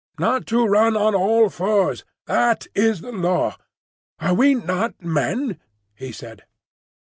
"Not to run on all fours; that is the Law. Are we not Men?" he said.